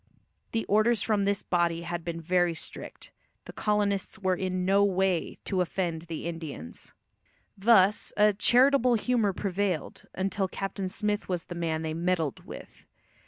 The orders from this body had been very strict; the colonists were in no way to offend the Indians. Thus a "charitable humour prevailed" until Captain Smith was the man they "meddled" with.